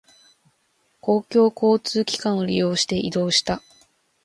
公共交通機関を利用して移動した。